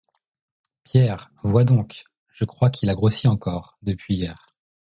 Pierre, vois donc, je crois qu'il a grossi encore, depuis hier.